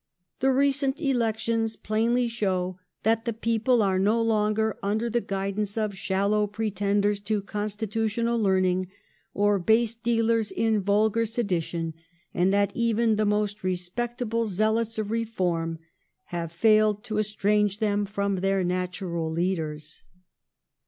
*' The recent Elections plainly show that the people are no longer under the guidance of shallow pretenders to constitutional learning, or base dealei s in vulgar sedition : and that even the most respectable zealots of reform have failed to estrange them from their natural leaders."